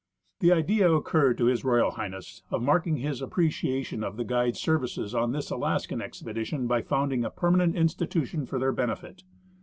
The idea occurred to H.R. H. of marking his appreciation of the guides' services on this Alaskan expedition by founding a permanent institution for their benefit.